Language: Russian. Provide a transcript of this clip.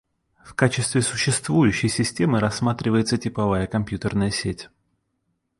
В качестве существующей системы рассматривается типовая компьютерная сеть.